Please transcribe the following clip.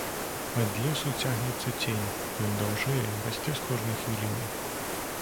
Ад лесу цягнецца цень, ён даўжэе, расце з кожнай хвілінай.